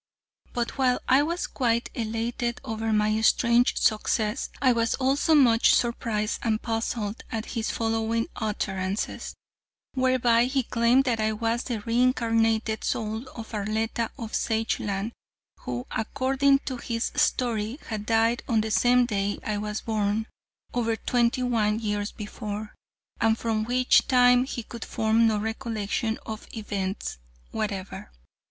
But while I was quite elated over my strange success, I was also much surprised and puzzled at his following utterances, whereby he claimed that I was the re incarnated soul of Arletta of Sageland, who, according to his story, had died on the same day I was born, over twenty one years before, and from which time he could form no recollection of events whatever.